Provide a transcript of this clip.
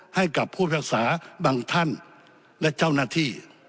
ให้กับผู้รักษาบางท่านและเจ้าหน้าที่